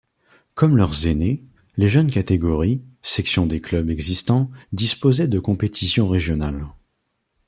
Comme leurs aînés, les jeunes catégories, sections des clubs existants, disposaient de compétitions régionales.